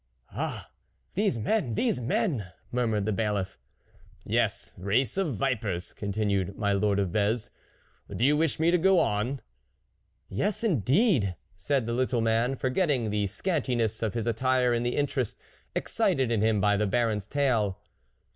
44 Ah ! these men ! these men !" mur mured the Bailiff. 44 Yes, race of vipers !" continued my lord of Vez, 4< do you wish me to go on ?" 44 Yes, indeed !" said the little man, forgetting the scantiness of his attire in the interest excited in him by the Baron's tale.